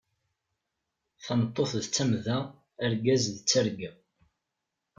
Tameṭṭut d tamda, argaz d targa.